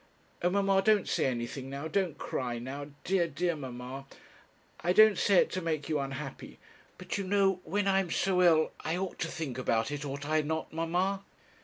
Oh, mamma, don't say anything now, don't cry now dear, dear mamma; I don't say it to make you unhappy; but you know when I am so ill I ought to think about it, ought I not, mamma?'